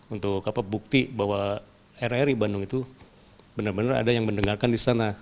untuk bukti bahwa rri bandung itu benar benar ada yang mendengarkan di sana